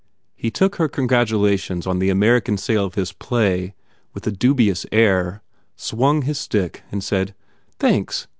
He took her congratulations on the American sale of his play with a dubious air, swung his stick and said, "Thanks.